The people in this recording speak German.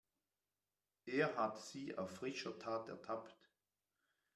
Er hat sie auf frischer Tat ertappt.